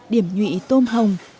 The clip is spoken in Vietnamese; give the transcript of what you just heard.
điểm nhụy tôm hồng